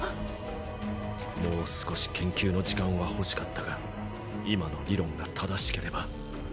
もう少し研究の時間は欲しかったが今の理論が正しければ。